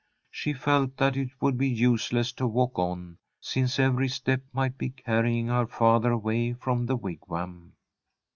She felt that it would be useless to walk on, since every step might be carrying her farther away from the Wigwam.